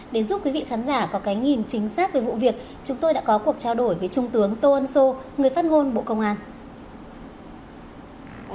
để giúp quý vị khán giả có cái nhìn chính xác về vụ việc chúng tôi đã có cuộc trao đổi với trung tướng tô ân sô người phát ngôn bộ công an